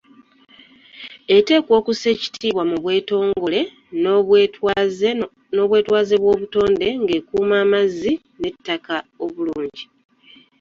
Eteekwa okussa ekitiibwa mu bwetongole n’obwetwaze bw’obutonde, ng’ekuuma amazzi n’ettaka obulungi.